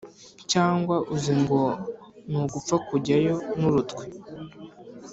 cyangwa uzi ngo nugupfa kujyayo nurutwe